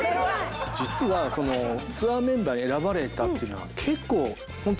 実はツアーメンバーに選ばれたというのは結構ホント。